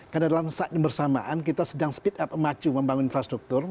karena dalam saat bersamaan kita sedang speed up maju membangun infrastruktur